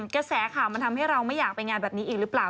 กระแสข่าวมันทำให้เราไม่อยากไปงานแบบนี้อีกหรือเปล่า